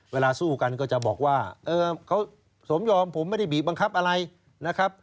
เวลาสู้กันก็จะบอกว่าเขาสมยอมผมไม่ได้บีบบังคับอะไรนะครับ